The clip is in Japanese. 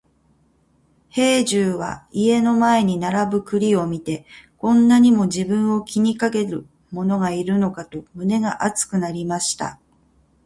兵十は家の前に並ぶ栗を見て、こんなにも自分を気にかける者がいるのかと胸が熱くなりました。